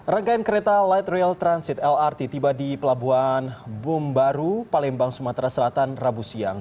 rangkaian kereta light rail transit lrt tiba di pelabuhan bumbaru palembang sumatera selatan rabu siang